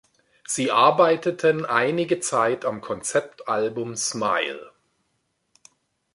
Sie arbeiteten einige Zeit am Konzeptalbum "Smile".